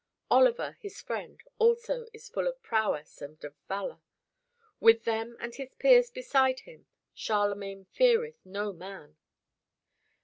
Oliver, his friend, also is full of prowess and of valor. With them and his peers beside him, Charlemagne feareth no man."